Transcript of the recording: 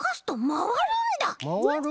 まわる？